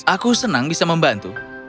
aku senang bisa membantu